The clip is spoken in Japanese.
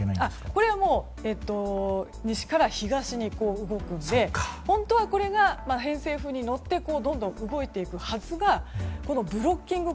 これは西から東に動くので本当はこれが偏西風に乗ってどんどん動いていくはずがブロッキング